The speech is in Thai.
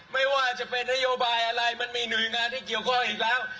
ไม่ว่าจะเป็นนโยบายอะไรมันมีหน่วยงานที่เกี่ยวข้องอีกแล้ว